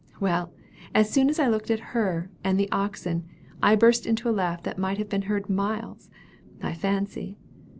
Well, as soon as I looked at her, and at the oxen, I burst into a laugh that might have been heard miles, I fancy.